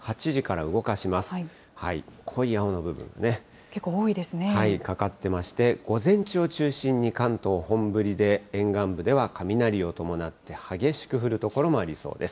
かかってまして、午前中を中心に関東、本降りで、沿岸部では雷を伴って、激しく降る所もありそうです。